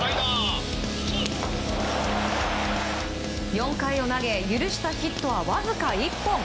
４回を投げ許したヒットはわずか１本。